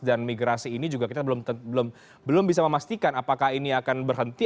dan migrasi ini juga kita belum bisa memastikan apakah ini akan berhenti